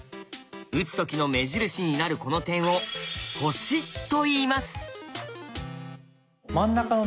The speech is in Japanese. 打つ時の目印になるこの点を「星」といいます。